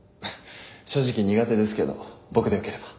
正直苦手ですけど僕でよければ。